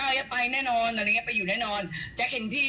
อ๋อเอาไว้ต่างอยู่ไปแน่นอนแน่นอน